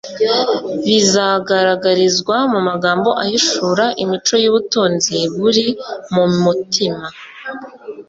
bizagaragarizwa mu magambo ahishura imico y'ubutunzi buri mu mutima